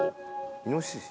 イノシシ？